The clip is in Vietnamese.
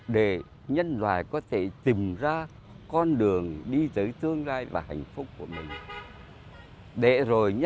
để nhân loại có thể tìm ra con đường đi tới tương lai và hạnh phúc của mình